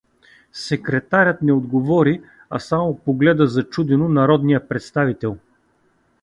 Секретарят не отговори, а само погледа зачудено народния представител.